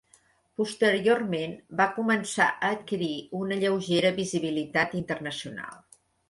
Posteriorment va començar a adquirir una lleugera visibilitat internacional.